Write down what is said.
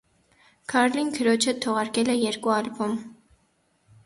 Քարլին քրոջ հետ թողարկել է երկու ալբում։